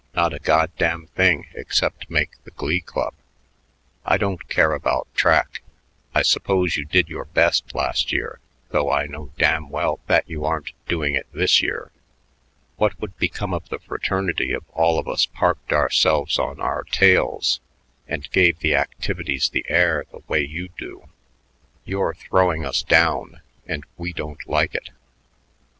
Not a goddamn thing except make the Glee Club. I don't care about track. I suppose you did your best last year, though I know damn well that you aren't doing it this year. What would become of the fraternity if all of us parked ourselves on our tails and gave the activities the air the way you do? You're throwing us down, and we don't like it."